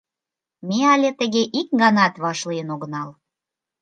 Ме але тыге ик ганат вашлийын огынал.